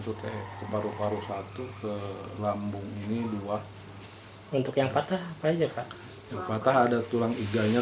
terima kasih ke paru paru satu ke lambung ini dua untuk yang patah apa aja kak patah ada tulang iganya